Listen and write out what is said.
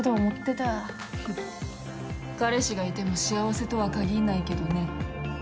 フッ彼氏がいても幸せとは限んないけどね。